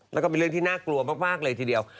แล้วก็เป็นเรื่องที่น่ากลัวมากเลยทีเดียว